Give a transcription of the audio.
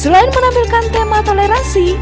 selain menampilkan tema toleransi